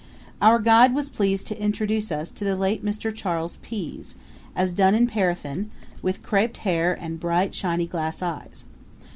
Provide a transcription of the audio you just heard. Our guide was pleased to introduce us to the late Mr. Charles Pease, as done in paraffin, with creped hair and bright, shiny glass eyes.